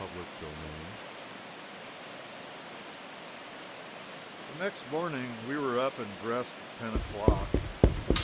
CHAPTER XIII. The next morning we were up and dressed at ten o'clock.